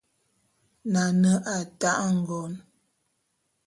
Nane a ta'e ngon.